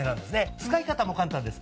使い方も簡単です。